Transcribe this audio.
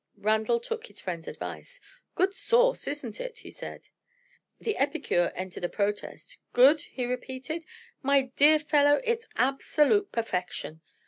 Randal took his friend's advice. "Good sauce, isn't it?" he said. The epicure entered a protest. "Good?" he repeated. "My dear fellow, it's absolute perfection.